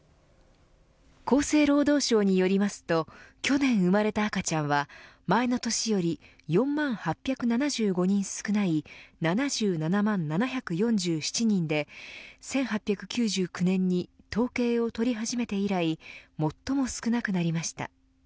厚生労働省によりますと去年生まれた赤ちゃんは前の年より４万８７５人少ない７７万７４７人で１８９９年に統計を取り始めて以来最も少なくなりました。